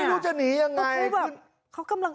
ไม่รู้จะหนียังไง